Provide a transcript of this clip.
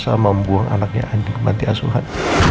kalau elsa membuang anaknya anjing banti asuhan